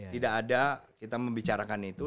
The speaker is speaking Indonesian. tidak ada kita membicarakan itu